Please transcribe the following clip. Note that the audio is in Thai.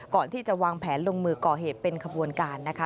ก่อนที่จะวางแผนลงมือก่อเหตุเป็นขบวนการนะคะ